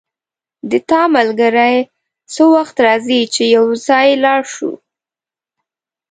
د تا ملګری څه وخت راځي چی یو ځای لاړ شو